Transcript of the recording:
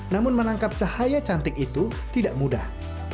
namun menangkap cahaya cantik itu tidak mudah